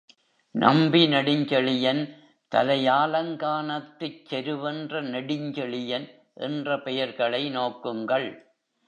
நம்பி நெடுஞ்செழியன், தலையாலங்கானத்துச் செருவென்ற நெடுஞ்செழியன் என்ற பெயர்களை நோக்குங்கள்.